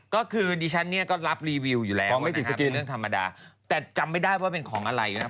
ก็คือดิฉันเนี่ยก็รับรีวิวอยู่แล้วของไม่ติดสกีเรื่องธรรมดาแต่จำไม่ได้ว่าเป็นของอะไรนะ